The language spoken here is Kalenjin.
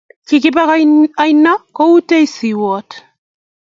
Kokibe aino koutech siiwot